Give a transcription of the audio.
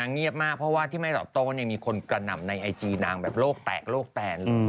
เงียบมากเพราะว่าที่ไม่ตอบโต้มีคนกระหน่ำในไอจีนางแบบโลกแตกโลกแตน